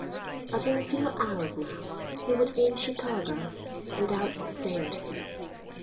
But in a few hours now he would be in Chicago, and doubts assailed him.